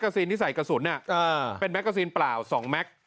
ที่ใส่กระสุนน่ะอ่าเป็นแม็กซีนเปล่าสองแม็กซ์